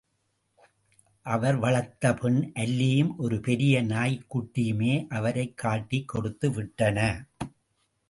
அவர் வளர்த்த பெண் அல்லியும் ஒரு பெரிய நாய்க்குட்டியுமே அவரைக் காட்டிக் கொடுத்து விட்டன.